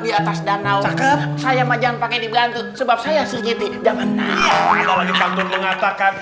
di atas danau saya mah jangan pakai dibantu sebab saya sedikit dan menangkan mengatakan